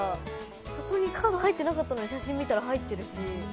そこにカード持ってなかったのに写真を見たら入ってるし。